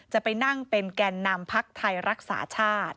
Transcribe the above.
จะไปนั่งเป็นแก่นนำพักไทยรักษาชาติ